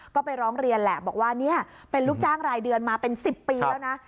ก็ไปร้องเรียนแหละบอกว่าเนี่ยเป็นลูกจ้างรายเดือนมาเป็น๑๐ปีแล้วนะ